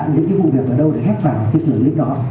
những cái vụ việc ở đâu để hét vào cái sửa clip đó